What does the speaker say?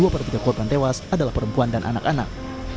dua per tiga korban tewas adalah perempuan dan anak anak